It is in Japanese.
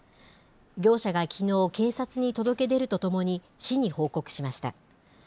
業者がきのう警察に届け出るとともに、市に報告しました。